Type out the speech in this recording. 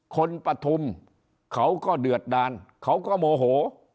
ปฐุมเขาก็เดือดดานเขาก็โมโห